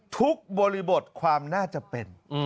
บริบทความน่าจะเป็น